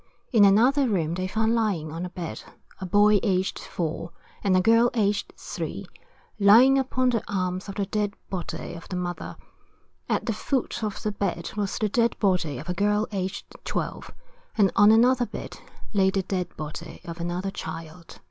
In another room they found lying on a bed, a boy aged 4, and a girl aged 3, lying upon the arms of the dead body of the mother. At the foot of the bed was the dead body of a girl aged 12, and on another bed lay the dead body of another child.